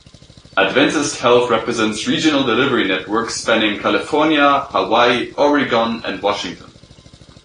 Adventist Health represents regional delivery networks spanning California, Hawaii, Oregon and Washington.